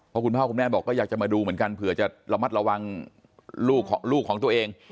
เพราะคุณพ่อคุณแม่บอกก็อยากจะมาดูเหมือนกันเผื่อจะระมัดระวังลูกของตัวเอง